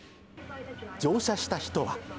乗車した人は。